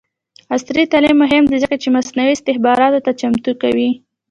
عصري تعلیم مهم دی ځکه چې مصنوعي استخباراتو ته چمتو کوي.